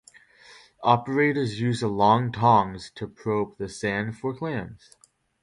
Operators use the long tongs to probe the sand for clams.